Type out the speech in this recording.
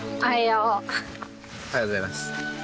おはようございます。